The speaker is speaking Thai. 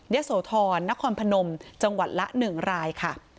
โสธรนครพนมจังหวัดละ๑รายค่ะ